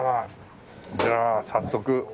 じゃあ早速。